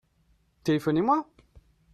Téléphonez-moi.